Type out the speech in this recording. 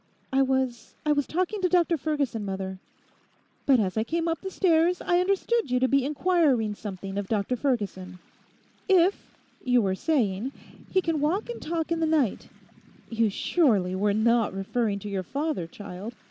'I was—I was talking to Dr Ferguson, mother.' 'But as I came up the stairs I understood you to be inquiring something of Dr Ferguson, "if," you were saying, "he can walk and talk in the night": you surely were not referring to your father, child?